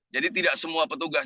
jadi tidak semua petugas